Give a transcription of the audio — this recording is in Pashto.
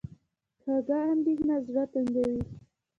کوږه اندېښنه زړه تنګوي